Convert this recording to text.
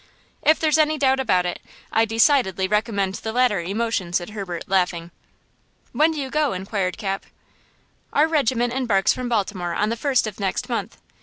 "If there's any doubt about it, I decidedly recommend the latter emotion," said Herbert, laughing. "When do you go?" inquired Cap. "Our regiment embarks from Baltimore on the first of next month.